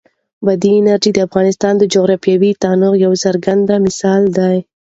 بادي انرژي د افغانستان د جغرافیوي تنوع یو څرګند مثال دی.